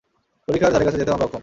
পরিখার ধারে কাছে যেতেও আমরা অক্ষম।